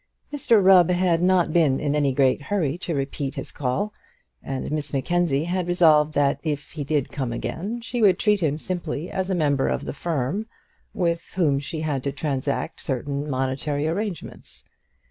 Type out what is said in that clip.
Mr Rubb had not been in any great hurry to repeat his call, and Miss Mackenzie had resolved that if he did come again she would treat him simply as a member of the firm with whom she had to transact certain monetary arrangements.